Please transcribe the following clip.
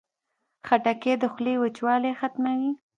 خټکۍ د خولې وچوالی ختموي.